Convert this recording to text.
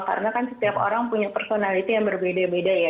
karena kan setiap orang punya personality yang berbeda beda ya